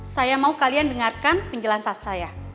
saya mau kalian dengarkan penjelasan saya